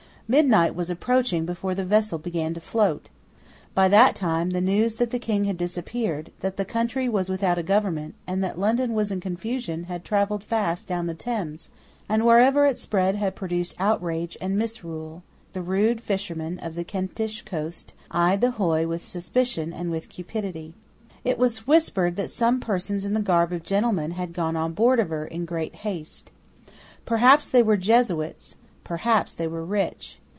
Midnight was approaching before the vessel began to float. By that time the news that the King had disappeared, that the country was without a government, and that London was in confusion, had travelled fast down the Thames, and wherever it spread had produced outrage and misrule. The rude fishermen of the Kentish coast eyed the hoy with suspicion and with cupidity. It was whispered that some persons in the garb of gentlemen had gone on board of her in great haste. Perhaps they were Jesuits: perhaps they were rich.